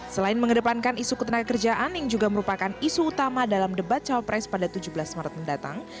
selain mengedepankan isu ketenaga kerjaan yang juga merupakan isu utama dalam debat cawapres pada tujuh belas maret mendatang